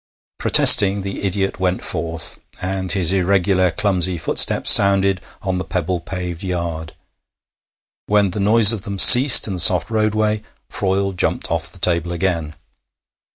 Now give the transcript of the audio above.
Protesting, the idiot went forth, and his irregular clumsy footsteps sounded on the pebble paved yard. When the noise of them ceased in the soft roadway, Froyle jumped off the table again.